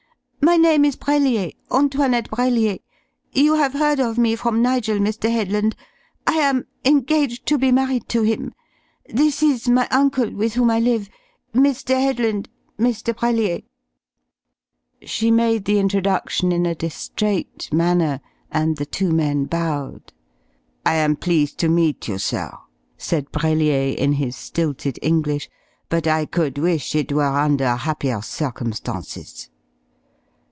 "My name is Brellier, Antoinette Brellier. You have heard of me from Nigel, Mr. Headland. I am engaged to be married to him. This is my uncle, with whom I live. Mr. Headland Mr. Brellier." She made the introduction in a distrait manner, and the two men bowed. "I am pleased to meet you, sir," said Brellier, in his stilted English, "but I could wish it were under happier circumstances."